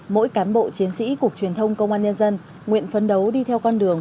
mỗi cán bộ chiến sĩ cục truyền thông công an nhân dân nguyện phấn đấu đi theo con đường